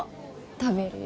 食べるよ。